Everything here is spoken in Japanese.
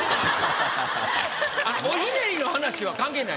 おひねりの話は関係ない。